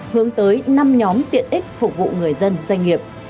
hướng tới năm nhóm tiện ích phục vụ người dân doanh nghiệp